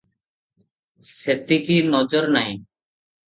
ସେଥିକି ନଜର ନାହିଁ ।